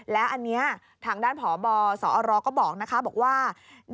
และอันนี้ทางด้านพบสอก็บอกว่า